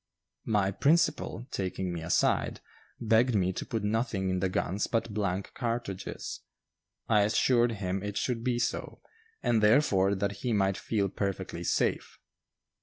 My principal, taking me aside, begged me to put nothing in the guns but blank cartridges. I assured him it should be so, and therefore that he might feel perfectly safe.